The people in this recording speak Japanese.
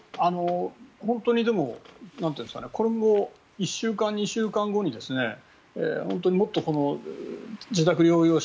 本当にでも、これも１週間２週間後に本当に、もっと自宅療養者